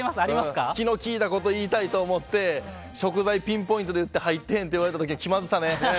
気の利いたことを言いたいと思って食材をピンポイントで言って入ってへんって言われた時の気まずさね。